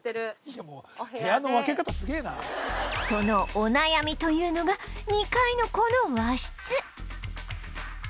そのお悩みというのが２階のこの和室